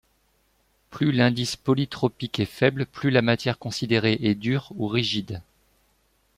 Plus l'indice polytropique est faible, plus la matière considérée est dure, ou rigide.